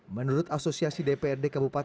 menurut asosiasi dprd kabupaten